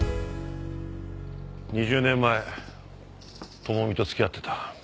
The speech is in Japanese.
２０年前智美と付き合ってた。